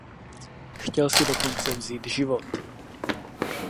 Chtěl si dokonce vzít život.